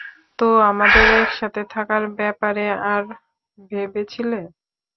তো, আমাদের একসাথে থাকার ব্যাপারে আর ভেবেছিলে?